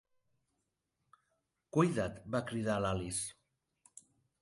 "Cuida't!", va cridar Alice.